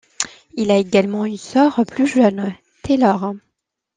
Il a également une sœur plus jeune, Taylor.